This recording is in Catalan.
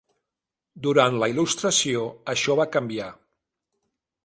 Durant la Il·lustració, això va canviar.